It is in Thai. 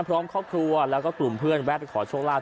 พร้อมครอบครัวแล้วก็กลุ่มเพื่อนแวะไปขอโชคลาภ